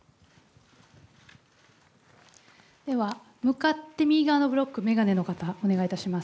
では向かって右側のブロック、眼鏡の方、お願いいたします。